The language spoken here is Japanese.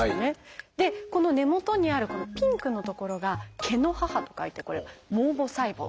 でこの根元にあるこのピンクの所が「毛」の「母」と書いてこれは「毛母細胞」。